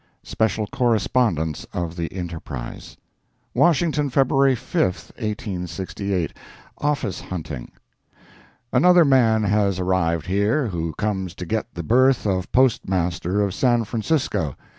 [SPECIAL CORRESPONDENCE OF THE ENTERPRISE.] WASHINGTON, February 5, 1868 OFFICE HUNTING. Another man has arrived here who comes to get the berth of Postmaster of San Francisco.